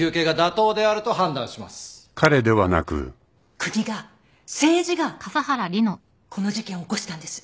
国が政治がこの事件を起こしたんです。